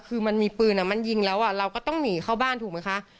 คือมันมีปืนมันยิงแล้วเราก็ต้องหนีเข้าบ้านถูกไหมคะ